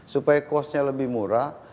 supaya kosnya lebih murah